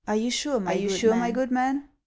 " Are you sure, my good man ?